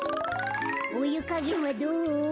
・おゆかげんはどう？